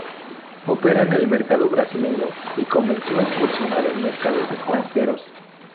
Opera en el mercado brasileño, y comenzó a incursionar en mercados extranjeros.